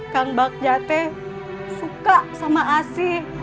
kang bacca teh suka sama asih